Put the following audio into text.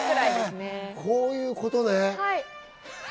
こういうことね。